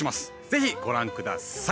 ぜひご覧ください。